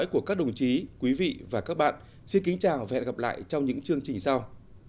của các đồng chí quý vị và các bạn xin kính chào và hẹn gặp lại trong những chương trình sau